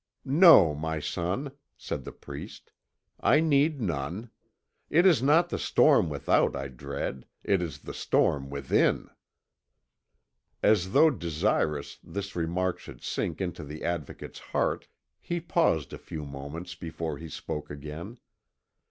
"No, my son," said the priest; "I need none. It is not the storm without I dread it is the storm within." As though desirous this remark should sink into the Advocate's heart, he paused a few moments before he spoke again.